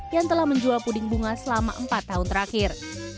yang telah menjual puding bunga selama empat tahun terakhir